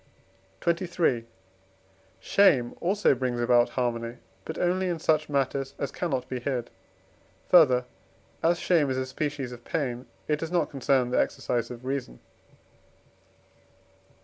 XXIII. Shame also brings about harmony, but only in such matters as cannot be hid. Further, as shame is a species of pain, it does not concern the exercise of reason.